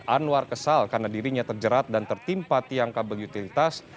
anwar kesal karena dirinya terjerat dan tertimpa tiang kabel utilitas